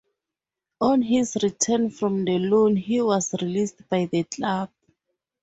On his return from the loan he was released by the club.